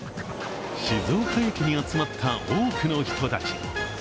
静岡駅に集まった多くの人たち。